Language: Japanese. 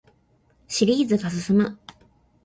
シリーズが進む